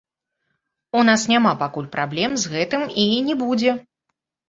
У нас няма пакуль праблем з гэтым і не будзе.